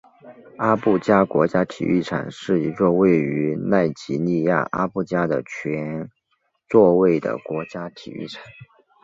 阿布加国家体育场是一座位于奈及利亚阿布加的全座位国家体育场。